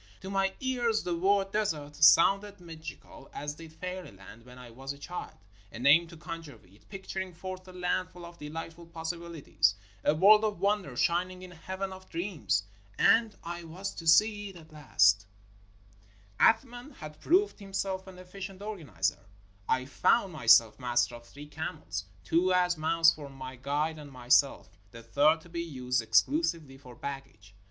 To my ears the word "desert" sounded mag ical as did "fairyland" when I was a child; a name to conjure with, picturing forth a land full of delightful possibilities, a world of wonder shining in a heaven of dreams. And I was to see it at last! 341 NORTHERN AFRICA Athman had proved himself an efficient organizer. I found myself master of three camels — two as mounts for my guide and myself, the third to be used exclusively for baggage.